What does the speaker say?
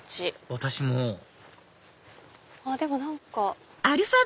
私もでも何か。